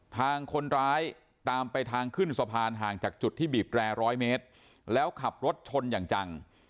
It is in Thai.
ทางคนร้ายตามไปทางขึ้นสะพานห่างจากจุดที่บีบแร่ร้อยเมตรแล้วขับรถชนอย่างจัง